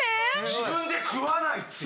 自分で食わないっていう。